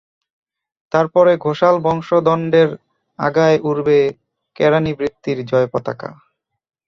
তার পরে ঘোষাল-বংশদণ্ডের আগায় উড়বে কেরানিবৃত্তির জয়পতাকা।